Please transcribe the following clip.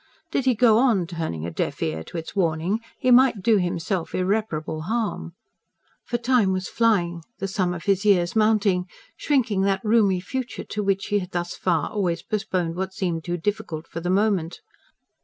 Did he go on turning a deaf ear to its warnings, he might do himself irreparable harm. For time was flying, the sum of his years mounting, shrinking that roomy future to which he had thus far always postponed what seemed too difficult for the moment.